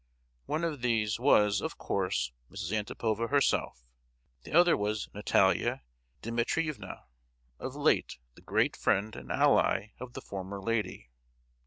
One of these was, of course, Mrs. Antipova herself; the other was Natalia Dimitrievna, of late the great friend and ally of the former lady.